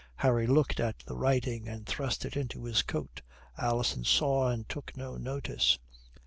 Harry looked at the writing and thrust it into his coat. Alison saw and took no notice.